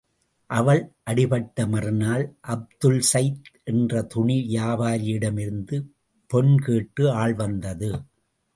அவள் அடிபட்ட மறுநாள் அப்துல்சைத் என்ற துணி வியாபாரியிடமிருந்து பெண்கேட்டு ஆள்வந்தது.